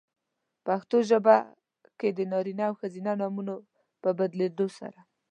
پښتو ژبه کې د نارینه او ښځینه نومونو په بدلېدو سره؛